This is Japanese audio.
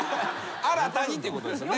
新たにっていうことですね。